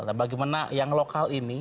nah bagaimana yang lokal ini